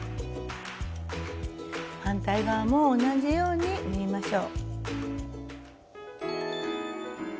反対側も同じように縫いましょう。